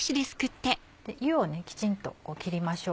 湯をきちんときりましょう。